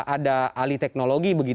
ada alih teknologi